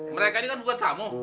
mereka ini kan bukan tamu